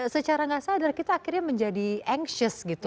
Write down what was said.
secara gak sadar kita akhirnya menjadi anctious gitu